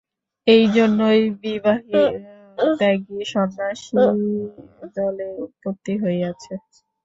এই জন্যই বিবাহত্যাগী সন্ন্যাসিদলের উৎপত্তি হইয়াছে।